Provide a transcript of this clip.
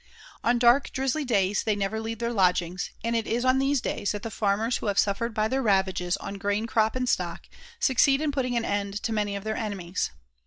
On dark, drizzly days they never leave their lodgings, and it is on these days that the farmers who have suffered by their ravages on grain crop and stock, succeed in putting an end to many of their enemies.